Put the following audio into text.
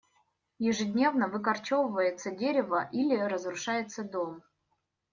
Ежедневно выкорчевывается дерево или разрушается дом.